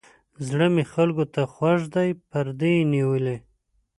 زړه مې خلکو ته خوږ دی پردي یې نیولي.